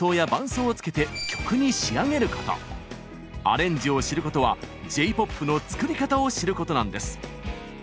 アレンジを知ることはＪ−ＰＯＰの作り方を知ることなんです。